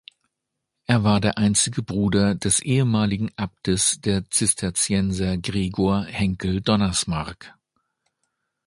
Er war der einzige Bruder des ehemaligen Abtes der Zisterzienser Gregor Henckel-Donnersmarck.